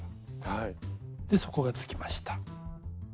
で底がつきました。